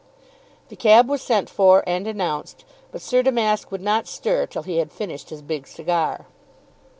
The cab was sent for and announced, but Sir Damask would not stir till he had finished his big cigar.